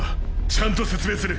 ちゃんと説明する。